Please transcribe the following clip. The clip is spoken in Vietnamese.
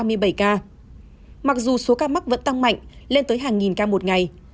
mặc dù số ca mắc vẫn tăng mạnh lên tới hàng nghìn ca một ngày